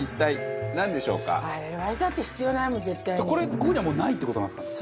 ここにはもうないって事なんですかね？